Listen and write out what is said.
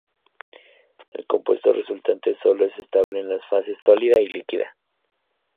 El compuesto resultante solo es estable en las fases sólida y líquida.